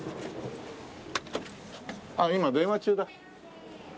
あっ今電話中だ。